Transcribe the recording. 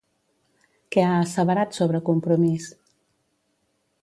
Què ha asseverat sobre Compromís?